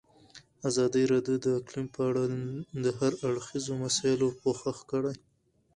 ازادي راډیو د اقلیم په اړه د هر اړخیزو مسایلو پوښښ کړی.